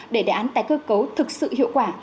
để đả án tài cơ cấu thực sự hiệu quả